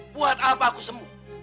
buat apa aku sembuh